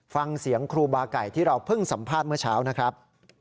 ฟังเสียงครูบาไก่ที่เราเพิ่งสัมภาษณ์เมื่อเช้านะครับ